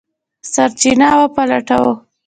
سرچینه وپلټو.